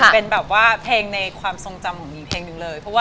เป็นเพลงในความทรงจำของหญิง